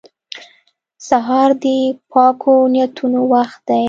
سهار د پاکو نیتونو وخت دی.